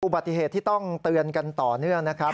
อุบัติเหตุที่ต้องเตือนกันต่อเนื่องนะครับ